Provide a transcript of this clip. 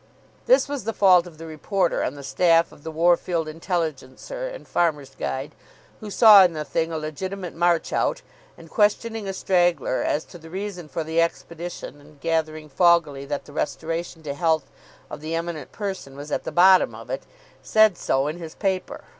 This was the fault of the reporter on the staff of the Worfield Intelligencer and Farmers' Guide, who saw in the thing a legitimate "march out," and, questioning a straggler as to the reason for the expedition and gathering foggily that the restoration to health of the Eminent Person was at the bottom of it, said so in his paper.